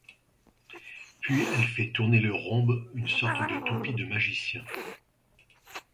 Puis elle fait tourner le rhombe, une sorte de toupie de magicien.